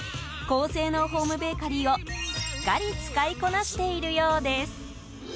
高性能ホームベーカリーをすっかり使いこなしているようです。